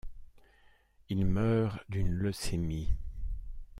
Il meurt d'une leucémie.